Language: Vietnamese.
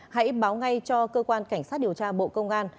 hãy báo ngay cho cơ quan cảnh sát điều tra bộ công an